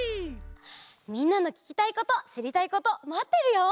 みんなのききたいことしりたいことまってるよ！